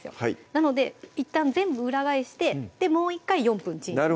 なのでいったん全部裏返してもう１回４分チンします